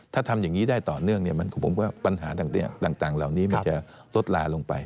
ถ้าทำอย่างนี้ได้ต่อเนื่องผมว่าปัญหาต่างเหล่านี้มันจะลดลาลงไป